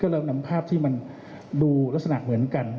เรานำภาพที่มันดูลักษณะเหมือนกัน